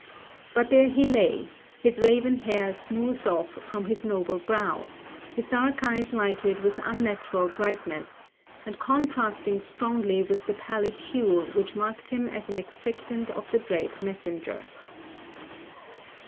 But there he lay, his raven hair smoothed off from his noble brow, his dark eyes lighted with unnatural brightness, and contrasting strongly with the pallid hue which marked him as an expectant of the dread messenger.